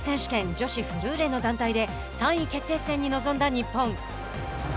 女子フルーレの団体で３位決定戦に臨んだ日本。